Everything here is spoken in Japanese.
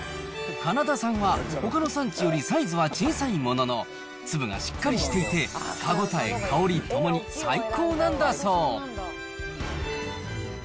カナダ産はほかの産地よりサイズは小さいものの、粒がしっかりしていて歯応え、香りともに最高なんだそう。